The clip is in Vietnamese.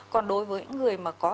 còn đối với những người mà có